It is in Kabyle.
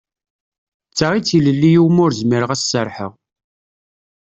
D ta i d tilelli iwumi ur zmireɣ ad as-serḥeɣ.